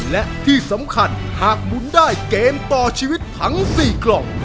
และที่สำคัญหากหมุนได้เกมต่อชีวิตทั้ง๔กล่อง